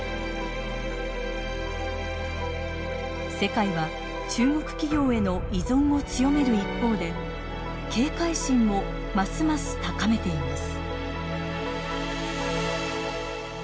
世界は中国企業への依存を強める一方で警戒心もますます高めています。